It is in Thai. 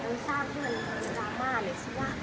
ว่าจะเป็นยังไงอะไรอย่างนี้